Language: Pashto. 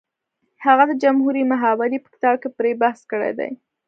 هغه د جمهوري محاورې په کتاب کې پرې بحث کړی دی